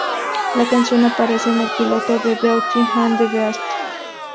La canción aparece en el piloto de "Beauty and the Beast".